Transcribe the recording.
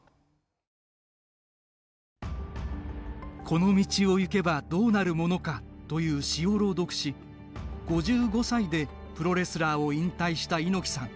「この道を行けばどうなるものか」という詩を朗読し５５歳でプロレスラー引退をした猪木さん。